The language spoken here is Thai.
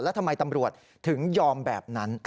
แล้วทำไมตำรวจถึงยอมแบบนั้น